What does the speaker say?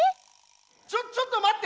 ちょちょっとまって！